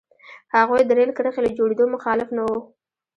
هغوی د رېل کرښې له جوړېدو مخالف نه وو.